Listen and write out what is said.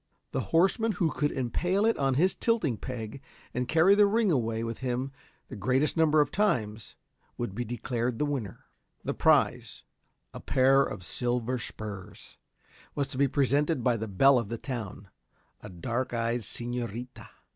The horseman who could impale it on his tilting peg and carry the ring away with him the greatest, number of times, would be declared the winner. Each one was to be given five chances. The prize, a pair of silver spurs, was to be presented by the belle of the town, a dark eyed señorita.